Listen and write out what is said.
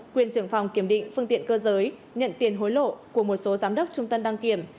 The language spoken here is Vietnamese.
quyền trưởng phòng kiểm định phương tiện cơ giới nhận tiền hối lộ của một số giám đốc trung tâm đăng kiểm